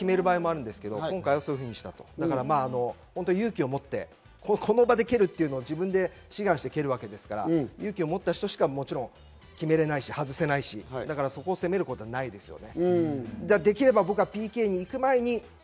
今回はそういうふうにしたと勇気を持って、この場で蹴るっていうのを自分で志願して蹴るわけですから、勇気を持った人しか決められないし、外せないし、そこを責めることはないですよね。